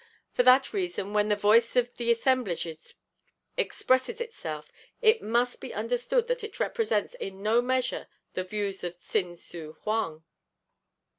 "For that reason, when the voice of the assemblage expresses itself, it must be understood that it represents in no measure the views of Tsin Su Hoang."